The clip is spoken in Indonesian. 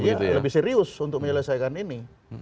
dia lebih serius untuk menyelesaikan ini